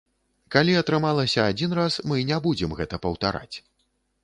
Калі атрымалася адзін раз, мы не будзем гэта паўтараць.